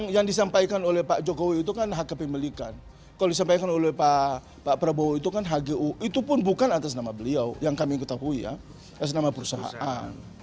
yang kami ketahui ya ya senama perusahaan